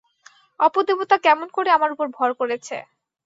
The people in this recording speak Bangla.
অপদেবতা কেমন করে আমার উপর ভর করেছে!